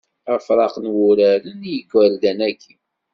Afraq n wuraren i yigerdan-agi.